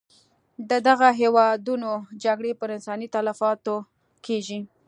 د دغه هېوادونو جګړې پر انساني تلفاتو کېږي.